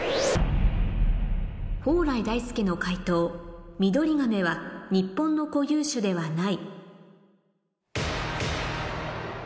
蓬莱大介の解答「ミドリガメは日本の固有種ではない」